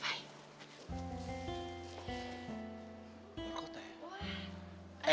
luar kota ya